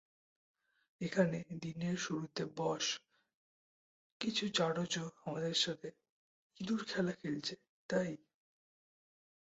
এখানে, দিনের শুরুতে বস, কিছু জারজ আমাদের সাথে ইঁদুর খেলা খেলছে তাই?